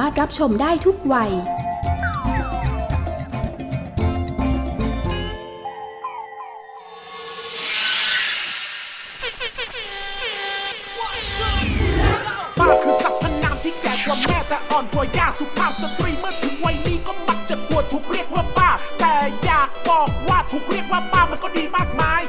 แต่อยากบอกว่าถูกเรียกว่าป้ามันก็ดีมากมาย